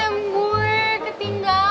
em gue ketinggalan